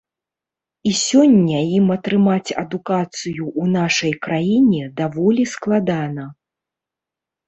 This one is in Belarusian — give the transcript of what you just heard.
І сёння ім атрымаць адукацыю у нашай краіне даволі складана.